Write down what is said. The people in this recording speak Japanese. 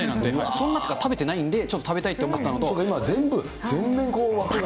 そうなってから食べてないんで、ちょっと食べたいって思ったそうか、今は全部、全面。